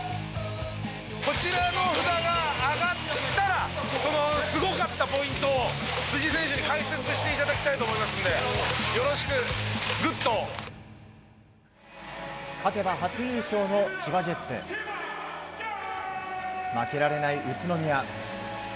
こちらの札が上がったらそのすごかったポイントを辻選手に解説していただきたいと勝てば初優勝の千葉ジェッツ。負けられない宇都宮。